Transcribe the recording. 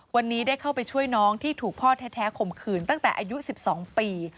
วันนี้ได้เข้าไปช่วยน้องที่ถูกพ่อแท้ข่มขืนตั้งแต่อายุ๑๒ปี